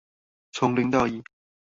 從零到一